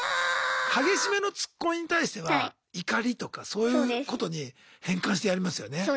激しめの突っ込みに対しては怒りとかそういうことに変換してやりますよね。